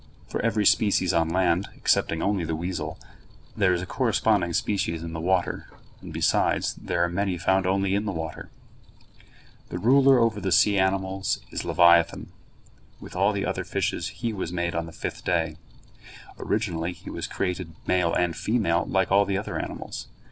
For every species on land, excepting only the weasel, there is a corresponding species in the water, and, besides, there are many found only in the water. The ruler over the sea animals is leviathan. With all the other fishes he was made on the fifth day. Originally he was created male and female like all the other animals.